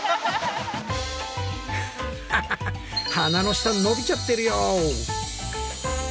鼻の下伸びちゃってるよ。